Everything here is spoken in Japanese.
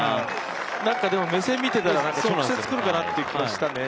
でも、目線見てたら直接来るかなという気がしたね。